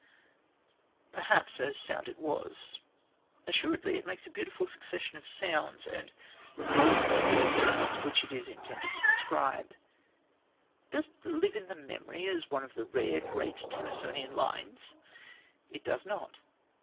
Perhaps, as sound, it was. Assuredly it makes a beautiful succession of sounds, and recalls the bird sounds which it is intended to describe. But does it live in the memory as one of the rare great Tennysonian lines? It does not.